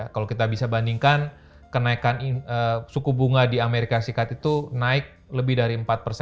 kalau kita bisa bandingkan kenaikan suku bunga di amerika serikat itu naik lebih dari empat persen